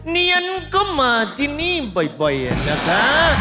เนียนก็มาที่นี่บ่อยนะคะ